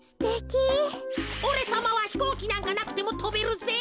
おれさまはひこうきなんかなくてもとべるぜ。